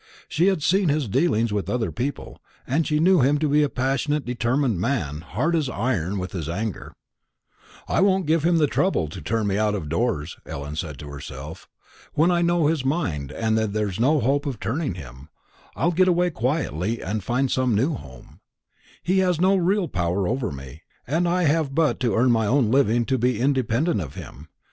She had seen his dealings with other people, and she knew him to be a passionate determined man, hard as iron in his anger. "I won't give him the trouble to turn me out of doors," Ellen said to herself. "When I know his mind, and that there's no hope of turning him, I'll get away quietly, and find some new home. He has no real power over me, and I have but to earn my own living to be independent of him.